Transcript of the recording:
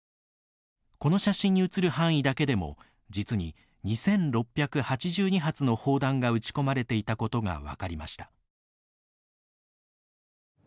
この写真に写る範囲だけでも実に２６８２発の砲弾が撃ち込まれていたことが分かりました。